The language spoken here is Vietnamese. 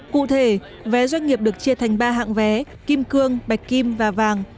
cụ thể vé doanh nghiệp được chia thành ba hạng vé kim cương bạch kim và vàng